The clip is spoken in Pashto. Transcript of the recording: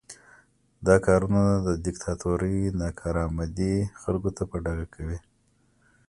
دا کارونه د دیکتاتورۍ ناکارآمدي خلکو ته په ډاګه کوي.